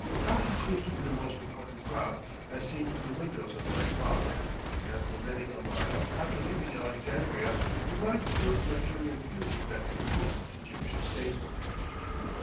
Cotton seems to be the most important crop as seen from the windows of my car, and for many a mile after leaving Alexandria we glide through luxuriant fields of that important Egyptian staple.